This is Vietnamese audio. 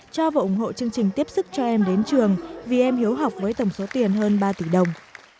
cho và ủng hộ chương trình tiếp sức cho em đến trường vì em hiếu học với tổng số tiền hơn ba tỷ đồng